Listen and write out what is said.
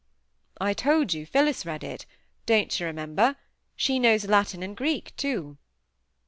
"I told you Phillis read it. Don't you remember? She knows Latin and Greek, too."